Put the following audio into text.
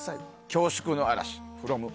恐縮の嵐。